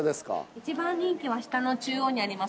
１番人気は下の中央にあります